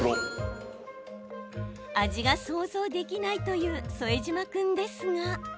味が想像できないという副島君ですが。